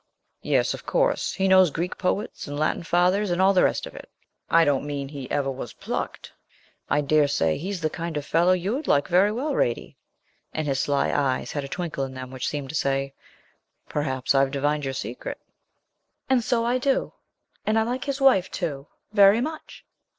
'Yes, of course, he knows Greek poets and Latin fathers, and all the rest of it. I don't mean he ever was plucked. I dare say he's the kind of fellow you'd like very well, Radie.' And his sly eyes had a twinkle in them which seemed to say, 'Perhaps I've divined your secret.' 'And so I do, and I like his wife, too, very much.'